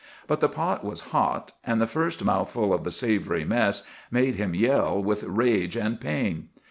"But the pot was hot, and the first mouthful of the savory mess made him yell with rage and pain.